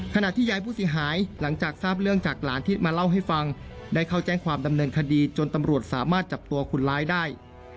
ขณะที่ยายผู้เสียหายหลังจากทราบเรื่องจากหลานที่มาเล่าให้ฟังได้เข้าแจ้งความดำเนินคดีจนตำรวจสามารถจับตัวคนร้ายได้